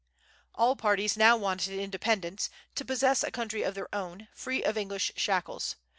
All parties now wanted independence, to possess a country of their own, free of English shackles.